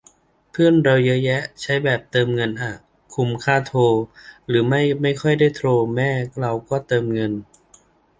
เพื่อนเราเยอะแยะใช้แบบเติมเงินอ่ะ คุมค่าโทร หรือไม่ก็ไม่ค่อยได้โทร แม่เราก็เติมเงิน